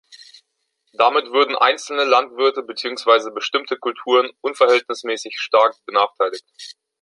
Damit würden einzelne Landwirte beziehungsweise bestimmte Kulturen unverhältnismäßig stark benachteiligt.